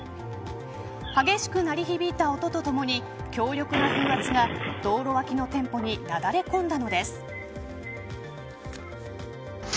激しく鳴り響いた音とともに強力な風圧が道路脇の店舗になだれ込んだのです。